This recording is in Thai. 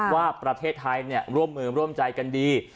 ว่าประเทศไทยร่วมมือร่วมใจกันดี